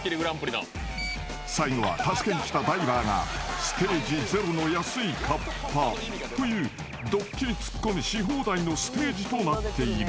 ［最後は助けに来たダイバーがＳＴＡＧＥ０の安いカッパというドッキリツッコミし放題のステージとなっている］